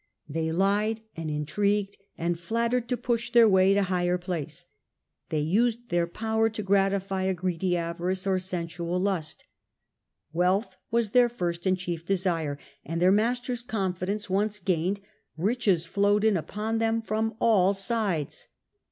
They lied iordid and intrigued and flattered to push their way ambition and to higher place ; they used their power to gratify a greedy avarice or sensual lust. Wealth was their 86 The Earlier Empire. a . d . 41 54 first and chief desire, and, their master^s confidence once gained, riches flowed in upon them from all sides.